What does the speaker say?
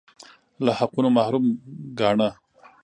له حقونو محروم ګاڼه